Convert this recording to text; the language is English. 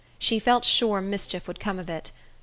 She felt sure mischief would come of it.